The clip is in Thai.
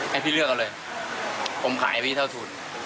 ให้พี่เลือกกันออมขาให้พี่เท่าทุน